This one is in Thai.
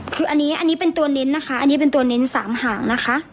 คืออันนี้อันนี้เป็นตัวเน้นนะคะอันนี้เป็นตัวเน้น๓หางนะคะ